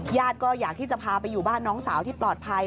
ก็อยากที่จะพาไปอยู่บ้านน้องสาวที่ปลอดภัย